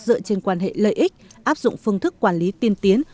dựa trên quan hệ lợi ích áp dụng phương thức quản lý tiên tiến